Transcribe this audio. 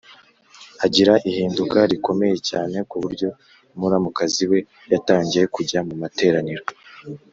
agira ihinduka rikomeye cyane ku buryo muramukazi we yatangiye kujya mu materaniro